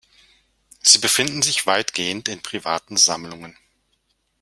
Sie befinden sich weitgehend in privaten Sammlungen.